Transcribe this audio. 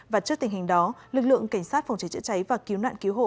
và trước tình hình đó lực lượng cảnh sát phòng cháy chữa cháy và cứu nạn cứu hộ